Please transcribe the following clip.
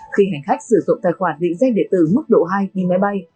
khi hành khách sử dụng tài khoản định danh điện tử mức độ hai đi máy bay